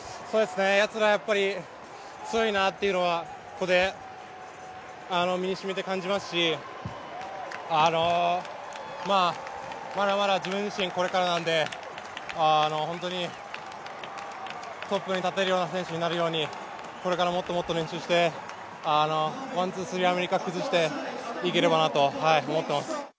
やつら強いなというのはここで身にしみて感じますし、まだまだ自分自身これからなんで本当にトップに立てるような選手になれるようにこれからもっともっと練習してワン・ツー・スリー、アメリカ崩していけたらなと思ってます。